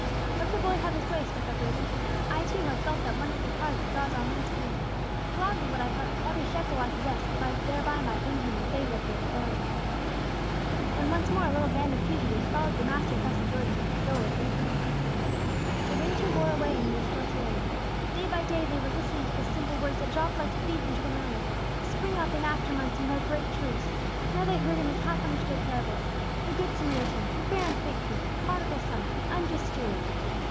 "Let the boy have his way," spoke up Reuben. "I, too, have felt that wonderful power that draws all men to Him. Gladly would I part with every shekel I possess, if I thereby might win Him the favor of the authorities." When once more a little band of fugitives followed their Master across the Jordan, Joel was with them. The winter wore away, and they still tarried. Day by day, they were listening to the simple words that dropped like seeds into their memories, to spring up in after months and bear great truths. Now they heard them as half understood parables, the good Samaritan, the barren fig tree, the prodigal son, the unjust steward.